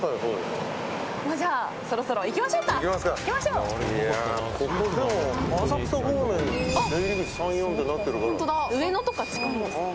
じゃあそろそろ行きましょうか。